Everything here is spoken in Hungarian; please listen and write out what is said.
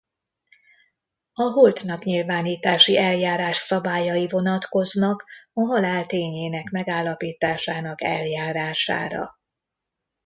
A holtnak nyilvánítási eljárás szabályai vonatkoznak a halál tényének megállapításának eljárására.